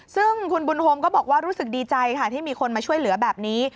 ซึ่งคุณบุญโฮมก็บอกว่ารู้สึกดีใจค่ะที่มีคนมาช่วยเหลือแบบนี้